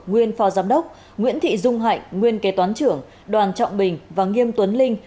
nguyên phó giám đốc nguyễn thị dung hạnh nguyên kế toán trưởng đoàn trọng bình và nghiêm tuấn linh